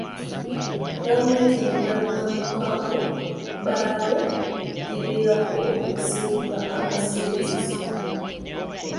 Gavumenti ne bannamukago baayo kiviirako okuzmba amasinzizo.